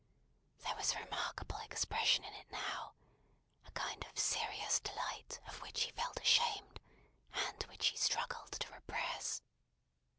There was a remarkable expression in it now; a kind of serious delight of which he felt ashamed, and which he struggled to repress.